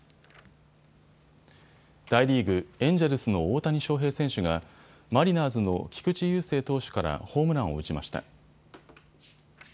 大リーグ、エンジェルスの大谷翔平選手がマリナーズの菊池雄星投手からホームランを打ちました。